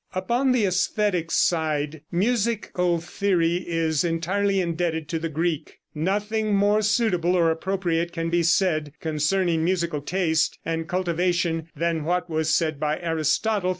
Upon the æsthetic side musical theory is entirely indebted to the Greek. Nothing more suitable or appropriate can be said concerning musical taste and cultivation than what was said by Aristotle 300 years before Christ.